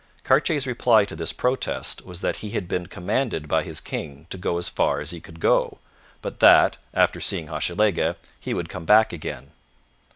Cartier's reply to this protest was that he had been commanded by his king to go as far as he could go, but that, after seeing Hochelaga, he would come back again.